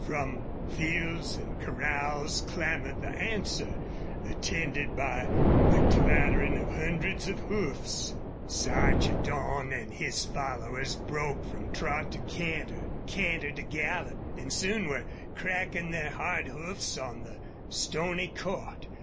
From, fields and corrals clamored the answer attended by the clattering of hundreds of hoofs. Sarchedon and his followers broke from trot to canter canter to gallop and soon were cracking their hard hoofs on the stony court.